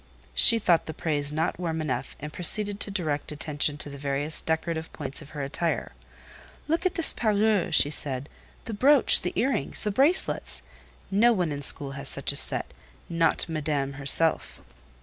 She thought the praise not warm enough, and proceeded to direct attention to the various decorative points of her attire. "Look at this parure," said she. "The brooch, the ear rings, the bracelets: no one in the school has such a set—not Madame herself."